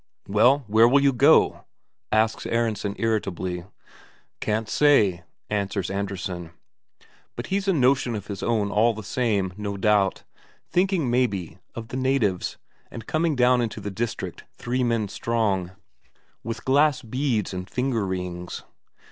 "Well, where will you go?" asks Aronsen irritably. "Can't say," answers Andresen. But he's a notion of his own all the same, no doubt; thinking, maybe, of the natives, and coming down into the district three men strong, with glass beads and finger rings.